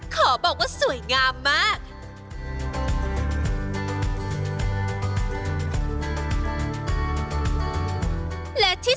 ก็จะเชิญชวนน้ำชมทางบ้านที่